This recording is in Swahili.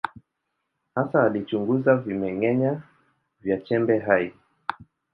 Hasa alichunguza vimeng’enya vya chembe hai.